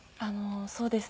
そうですね。